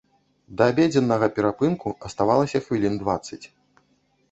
Да абедзеннага перапынку аставалася хвілін дваццаць.